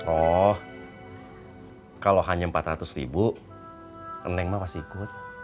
oh kalau hanya empat ratus ribu nengma pasti ikut